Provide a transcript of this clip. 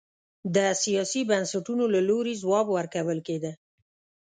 د سیاسي بنسټونو له لوري ځواب ورکول کېده.